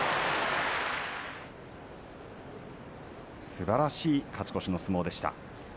すばらしい勝ち越しの相撲でした。